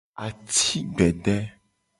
Ati gbede.